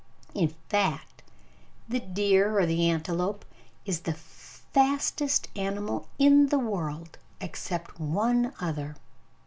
In fact, the deer or the antelope is the fastest animal in the world, except one other.